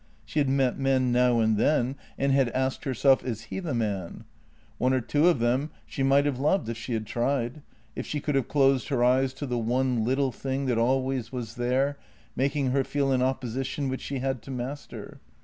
She had met men now and then and had asked herself: Is he the man? — one or two of them she might have loved if she had tried, if she could have closed her eyes to the one little thing that always was there, making her feel an opposition which she had to master.